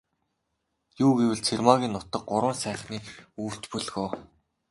Юу гэвэл, Цэрмаагийн нутаг Гурван сайхны өвөрт бөлгөө.